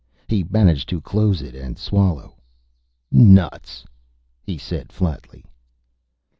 He managed to close it and swallow. "Nuts!" he said flatly.